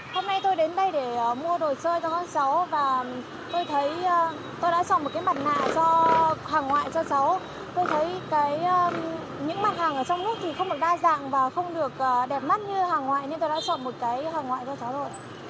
các mặt hàng ở trong nước thì không được đa dạng và không được đẹp mắt như hàng ngoại nên tôi đã chọn một cái hàng ngoại cho cháu rồi